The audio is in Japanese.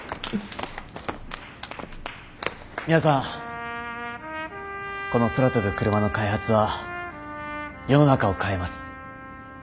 皆さんこの空飛ぶクルマの開発は世の中を変えます。